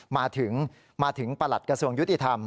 มาถึงมาถึงประหลัดกระทรวงยุติธรรม